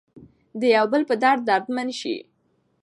د یو بل په درد دردمن شئ.